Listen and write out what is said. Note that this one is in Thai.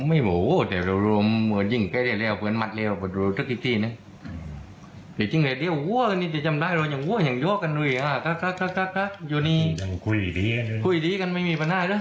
อาจจะยังคุยดีกันไม่มีปัญหาด้วย